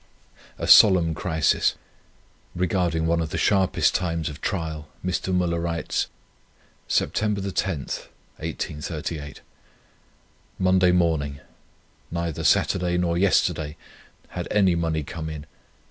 A SOLEMN CRISIS. Regarding one of the sharpest times of trial Mr. Müller writes: "Sept. 10 . Monday morning. Neither Saturday nor yesterday had any money come in.